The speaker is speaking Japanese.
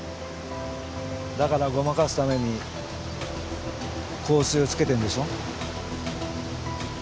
だからごまかすために香水をつけてんでしょ？